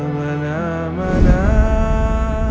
ingin rasanya aku selalu membencikanmu ya